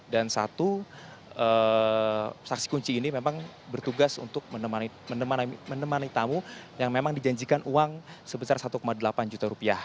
dan satu saksi kunci ini memang bertugas untuk menemani tamu yang memang dijanjikan uang sebesar satu delapan juta rupiah